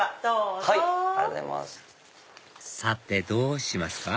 さてどうしますか？